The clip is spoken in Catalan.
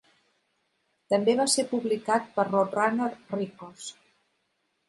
També va ser publicat per Roadrunner Records.